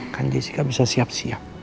kan jessica bisa siap siap